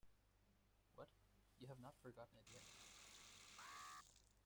What, you have not forgotten it yet!